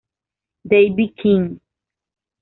David King